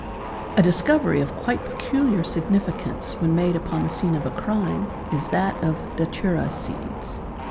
A discovery of quite peculiar significance when made upon the scene of a crime is that of datwra seeds.